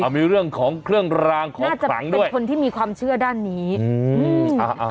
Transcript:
มีเรื่องของเครื่องรางของน่าจะเป็นคนที่มีความเชื่อด้านนี้อืมอ่า